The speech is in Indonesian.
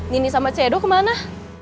nini sama cedo kemana